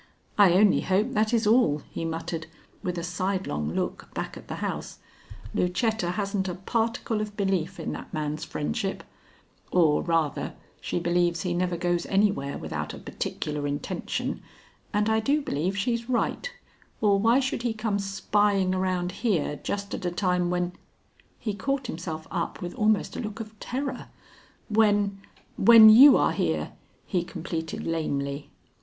"I only hope that is all," he muttered, with a sidelong look back at the house. "Lucetta hasn't a particle of belief in that man's friendship, or, rather, she believes he never goes anywhere without a particular intention, and I do believe she's right, or why should he come spying around here just at a time when" he caught himself up with almost a look of terror "when when you are here?" he completed lamely.